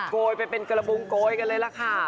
โกยไปเป็นกระบุงโกยกันเลยล่ะค่ะ